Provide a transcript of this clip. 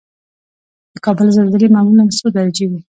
د کابل زلزلې معمولا څو درجې وي؟